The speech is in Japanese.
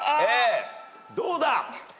どうだ？